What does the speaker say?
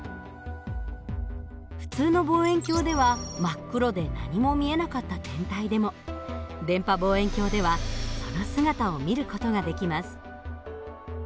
普通の望遠鏡では真っ黒で何も見えなかった天体でも電波望遠鏡ではその姿を見る事ができます。